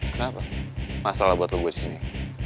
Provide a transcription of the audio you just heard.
kenapa masalah buat lo gue disini